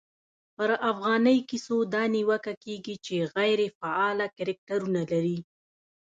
پرا فغانۍ کیسو دا نیوکه کېږي، چي غیري فعاله کرکټرونه لري.